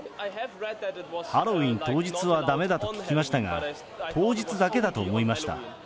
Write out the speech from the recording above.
ハロウィーン当日はだめだと聞きましたが、当日だけだと思いました。